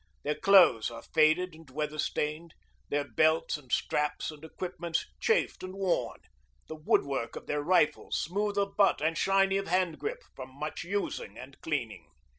Their clothes are faded and weather stained, their belts and straps and equipments chafed and worn, the woodwork of their rifles smooth of butt and shiny of hand grip from much using and cleaning.